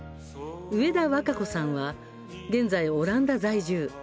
上田和佳子さんは現在オランダ在住。